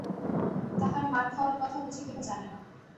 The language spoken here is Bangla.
তাহার মার খাওয়ার কথা বুঝি কেহ জানে না।